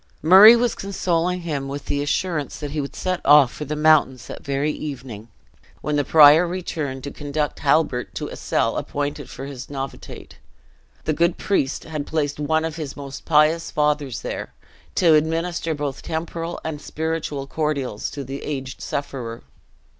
Murray was consoling him with the assurance that he would set off for the mountains that very evening, when the prior returned to conduct Halbert to a cell appointed for his novitiate. The good priest had placed one of his most pious fathers there, to administer both temporal and spiritual cordials to the aged sufferer.